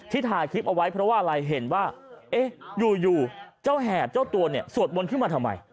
ถ่ายคลิปเอาไว้เพราะว่าอะไรเห็นว่าเอ๊ะอยู่เจ้าแหบเจ้าตัวเนี่ยสวดมนต์ขึ้นมาทำไม